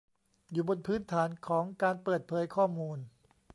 อยู่บนพื้นฐานของการเปิดเผยข้อมูล